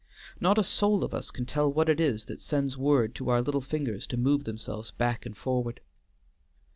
Not a soul of us can tell what it is that sends word to our little fingers to move themselves back and forward."